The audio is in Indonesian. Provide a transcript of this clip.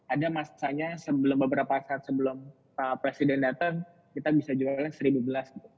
ada masanya beberapa saat sebelum pak presiden datang kita bisa jualnya seribu gelas